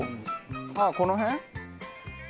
ああこの辺？